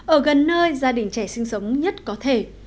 ở gần nơi gia đình trẻ sinh sống nhất có thể